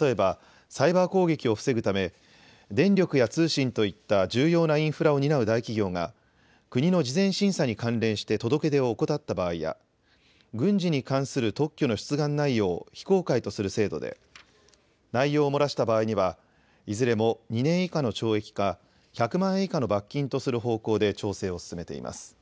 例えば、サイバー攻撃を防ぐため、電力や通信といった重要なインフラを担う大企業が、国の事前審査に関連して届け出を怠った場合や、軍事に関する特許の出願内容を非公開とする制度で、内容を漏らした場合には、いずれも２年以下の懲役か１００万円以下の罰金とする方向で調整を進めています。